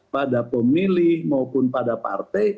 pada pemilih maupun pada partai